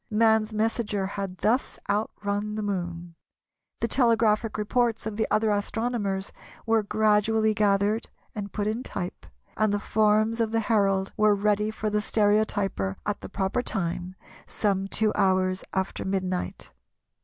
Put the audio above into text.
Man's messenger had thus outrun the Moon. The telegraphic reports of the other astronomers were gradually gathered and put in type, and the forms of the Herald were ready for the stereotyper at the proper time, some two hours after midnight.